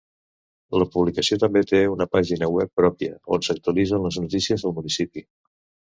La publicació també té una pàgina web pròpia, on s'actualitzen les notícies del municipi.